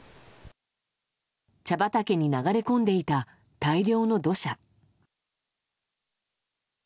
茶畑に流れ込んでいた大量の土砂。